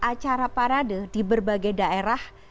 acara parade di berbagai daerah